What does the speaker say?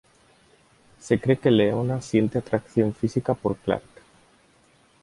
Se cree que Leona siente atracción física por Clark.